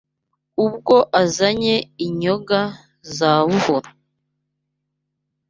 Ubwo azanye inyonga za Buhura